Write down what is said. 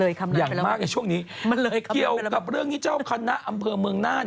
อย่างมากในช่วงนี้เกี่ยวกับเรื่องที่เจ้าคณะอำเภอเมืองหน้า